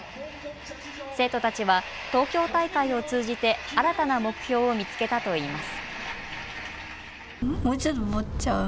生徒たちは東京大会を通じて新たな目標を見つけたといいます。